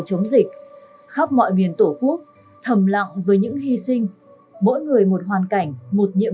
chống dịch khắp mọi miền tổ quốc thầm lặng với những hy sinh mỗi người một hoàn cảnh một nhiệm